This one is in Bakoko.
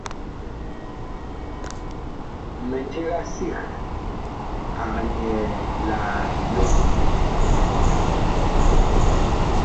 Mindiga sig ag nyɛɛ Nlom.